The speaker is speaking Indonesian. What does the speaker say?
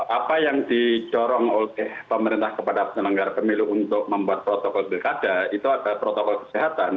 apa yang didorong oleh pemerintah kepada penyelenggara pemilu untuk membuat protokol pilkada itu adalah protokol kesehatan